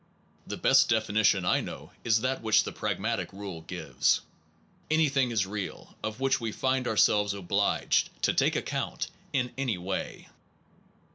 The best realms of definition I know is that which the pragmatist rule gives: anything is> real of which we find ourselves obliged to take account in any way.